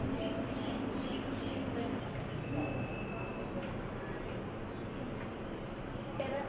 เมื่อเวลาเมื่อเวลา